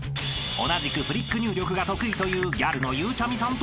［同じくフリック入力が得意というギャルのゆうちゃみさんと対決］